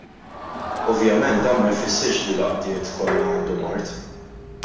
Ovvjament dan ma jfissirx li l-għaqdiet kollha għandhom art.